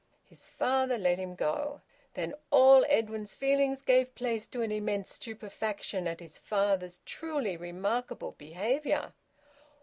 His father let him go. Then all Edwin's feelings gave place to an immense stupefaction at his father's truly remarkable behaviour.